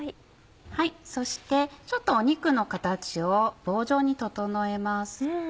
そしてちょっと肉の形を棒状に整えます。